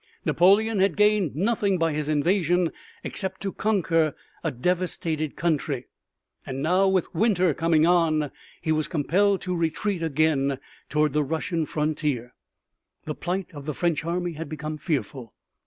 Napoleon had gained nothing by his invasion except to conquer a devastated country, and now, with winter coming on, he was compelled to retreat again toward the Russian frontier. The plight of the French army had become fearful.